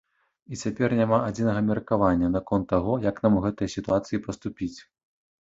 І цяпер няма адзінага меркавання наконт таго, як нам у гэтай сітуацыі паступіць.